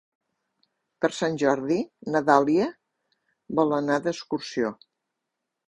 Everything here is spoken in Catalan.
Per Sant Jordi na Dàlia vol anar d'excursió.